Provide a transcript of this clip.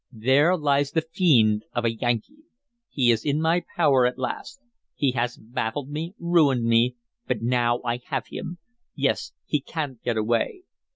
There lies the fiend of a Yankee. He is in my power at last. He has baffled me, ruined me, but now I have him! Yes, he can't get away!